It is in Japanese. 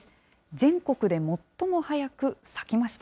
全国で最も早く咲きました。